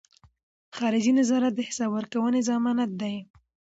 خارجي نظارت د حساب ورکونې ضمانت دی.